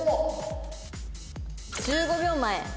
１５秒前。